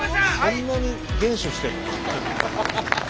そんなに厳守してるの？